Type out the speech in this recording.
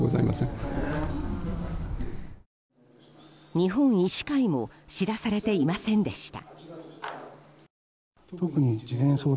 日本医師会も知らされていませんでした。